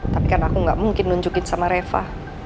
tapi kan aku gak mungkin nunjukin sama reva